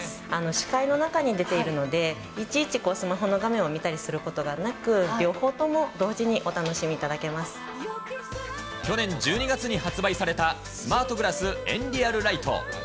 視界の中に出ているので、いちいちスマホの画面を見たりすることがなく、両方とも同時にお去年１２月に発売されたスマートグラス、エンリアルライト。